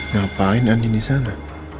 ngapain andien di sana